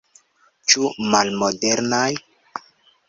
Ĉu malmodernaj?